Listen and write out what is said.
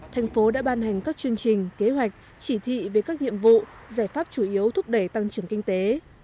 thành phố đã ban hành các chương trình kế hoạch chỉ thị về các nhiệm vụ giải pháp chủ yếu thúc đẩy tăng trưởng kinh tế